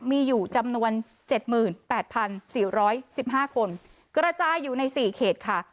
มีอยู่จำนวนเจ็ดหมื่นแปดพันสี่ร้อยสิบห้าคนกระจายอยู่ในสี่เขตค่ะ